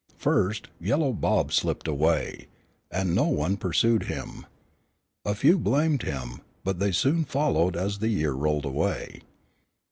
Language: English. First Yellow Bob slipped away, and no one pursued him. A few blamed him, but they soon followed as the year rolled away.